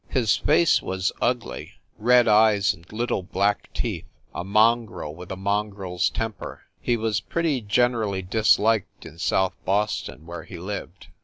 His face was ugly, red eyes and little black teeth a mongrel with a mongrel s temper. He was pretty generally dis liked in South Boston, where he lived.